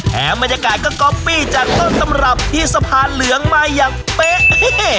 บรรยากาศก็ก๊อปปี้จากต้นตำรับที่สะพานเหลืองมาอย่างเป๊ะ